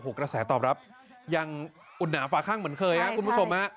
กระแสตอบรับยังอุ่นหนาฝาข้างเหมือนเคยครับคุณผู้ชมฮะ